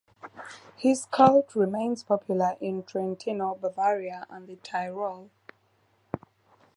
His cult remains popular in Trentino, Bavaria, and the Tyrol.